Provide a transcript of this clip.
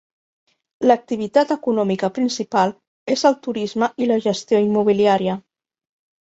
L'activitat econòmica principal és el turisme i la gestió immobiliària.